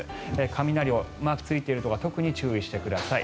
雷マークがついているところは特に注意してください。